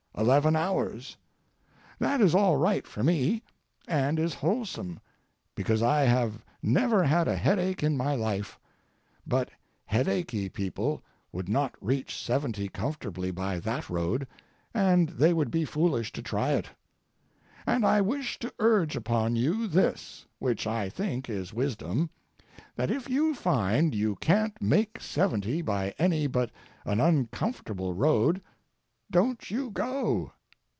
Eleven hours. That is all right for me, and is wholesome, because I have never had a headache in my life, but headachy people would not reach seventy comfortably by that road, and they would be foolish to try it. And I wish to urge upon you this—which I think is wisdom—that if you find you can't make seventy by any but an uncomfortable road, don't you go.